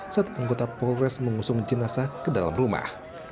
saat anggota polres mengusung jenazah ke dalam rumah